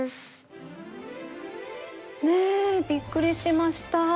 ねえびっくりしました！